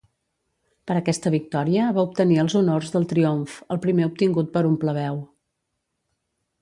Per aquesta victòria va obtenir els honors del triomf, el primer obtingut per un plebeu.